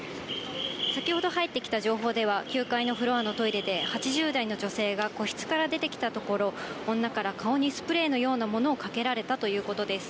先ほど入ってきた情報では、９階のフロアのトイレで、８０代の女性が個室から出てきたところ、女から顔にスプレーのようなものをかけられたということです。